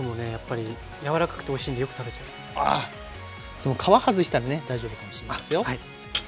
でも皮外したらね大丈夫かもしんないですよ。